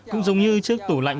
cũng giống như trước tủ lạnh